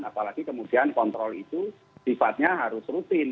apalagi kemudian kontrol itu sifatnya harus rutin